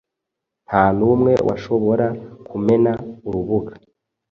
Ntanumwe washobora kumena Urubuga,